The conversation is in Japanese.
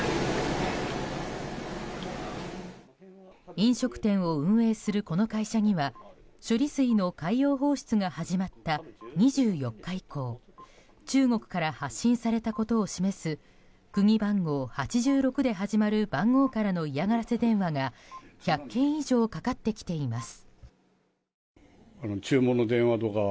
飲食店を運営するこの会社には処理水の海洋放出が始まった２４日以降中国から発信されたことを示す国番号８６で始まる番号からの嫌がらせ電話が１００件以上かかってきています。